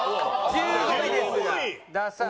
１５位ですが「ダサい」。